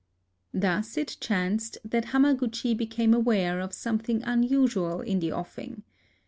Thus it chanced that Hamaguchi became aware of something unusual in the offing.